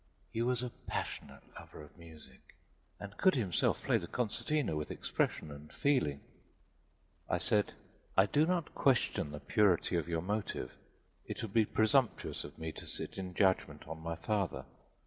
He was a passionate lover of music and could himself play the concertina with expression and feeling. I said: "I do not question the purity of your motive: it would be presumptuous of me to sit in judgment on my father.